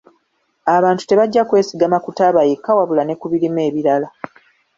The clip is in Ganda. Abantu tebajja kwesigama ku taaba yekka wabula ne ku birime ebirala.